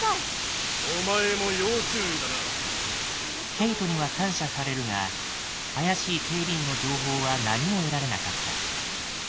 ケイトには感謝されるが怪しい警備員の情報は何も得られなかった。